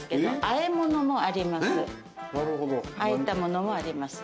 和えたものもあります。